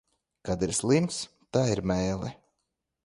Kad ir slims, tā ir mēle.